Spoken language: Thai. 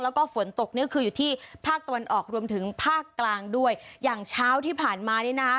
แล้วก็ฝนตกเนี่ยคืออยู่ที่ภาคตะวันออกรวมถึงภาคกลางด้วยอย่างเช้าที่ผ่านมานี่นะคะ